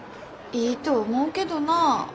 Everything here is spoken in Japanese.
いいと思うけどなあ。